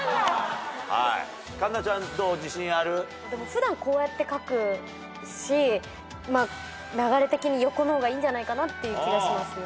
普段こうやって書くし流れ的に横の方がいいんじゃないかって気がします。